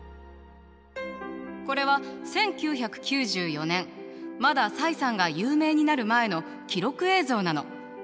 これは１９９４年まだ蔡さんが有名になる前の記録映像なの。